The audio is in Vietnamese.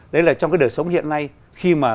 đấy là trong cái đời sống hiện nay khi mà